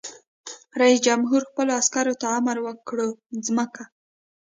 رئیس جمهور خپلو عسکرو ته امر وکړ؛ ځمکه!